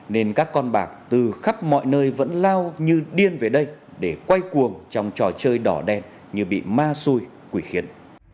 nên các con bạc từ khắp mọi nơi vẫn lao như điên về đây để quay cuồng trong trò chơi đỏ đen như bị ma xui quỷ khiến